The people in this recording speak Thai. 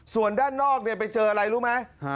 ส่วนด้านนอกไปเจออะไรรู้ไหม